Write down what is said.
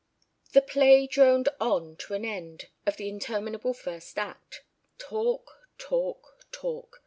The play droned on to the end of the interminable first act. Talk. Talk. Talk.